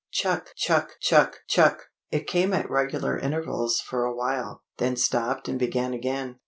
Chuck! chuck! chuck! chuck! It came at regular intervals for a while, then stopped and began again.